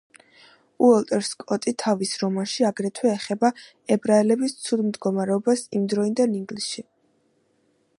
უოლტერ სკოტი თავის რომანში აგრეთვე ეხება ებრაელების ცუდ მდგომარეობას იმდროინდელ ინგლისში.